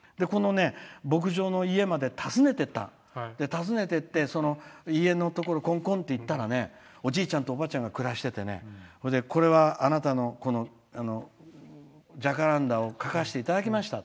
牧場の家まで訪ねてって家のところコンコンって行ったらおじいちゃんとおばあちゃんが暮らしててこれは、あなたのジャカランダを描かせていただきました。